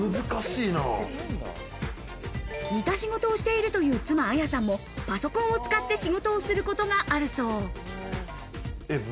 似た仕事をしているという妻・彩さんもパソコンを使って仕事をすることがあるそう。